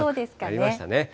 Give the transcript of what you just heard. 変わりましたね。